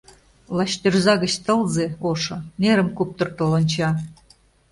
Лач тӧрза гыч тылзе, ошо, нерым куптыртыл онча.